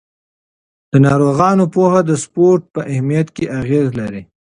د ناروغانو پوهه د سپورت په اهمیت کې اغېزه لري.